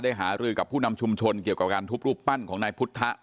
หารือกับผู้นำชุมชนเกี่ยวกับการทุบรูปปั้นของนายพุทธะ